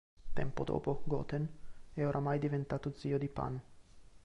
Tempo dopo Goten è oramai diventato zio di Pan.